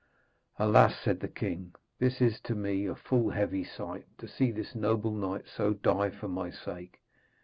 'Alas,' said the king, 'this is to me a full heavy sight, to see this noble knight so die for my sake.